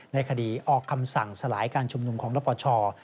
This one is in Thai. ในคดีออกคำสั่งสลายการชุมนุมของนปช